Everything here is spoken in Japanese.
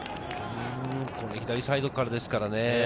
左サイドですからね。